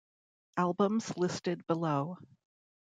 Albums listed below.